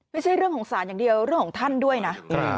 ไม่ใช่เรื่องของศาลอย่างเดียวเรื่องของท่านด้วยนะ